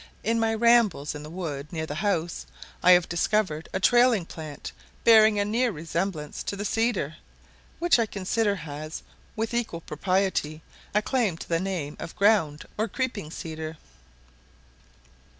In my rambles in the wood near the house I have discovered a trailing plant bearing a near resemblance to the cedar, which I consider has, with equal propriety, a claim to the name of ground or creeping cedar.